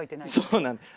そうなんです。